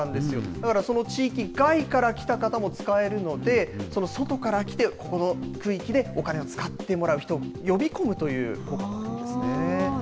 だからその地域外から来た方も使えるので、外から来て、ここの区域でお金を使ってもらう人を呼び込むという効果もあるんですね。